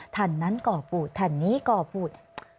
ฐันนั้นก่อปูดฐันนี้ก่อปูด